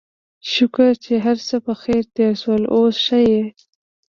شکر چې هرڅه پخير تېر شول، اوس ښه يې؟